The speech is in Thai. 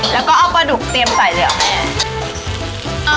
แล้วก็เอาปลาดุกเตรียมใส่เลยเหรอแม่